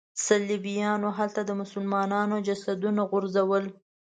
صلیبیانو هلته د مسلمانانو جسدونه غورځول.